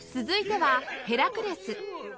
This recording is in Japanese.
続いては『ヘラクレス』